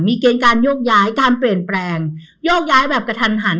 มีเกณฑ์การโยกย้ายการเปลี่ยนแปลงโยกย้ายแบบกระทันหัน